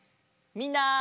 みんな。